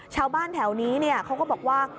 ชาวบ้านแถวนี้เขาก็บอกว่า